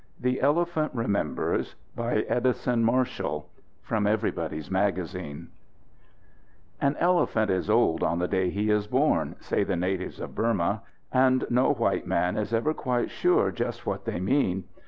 THE ELEPHANT REMEMBERS By EDISON MARSHALL From Everybody's Magazine An elephant is old on the day he is born, say the natives of Burma, and no white man is ever quite sure just what they mean.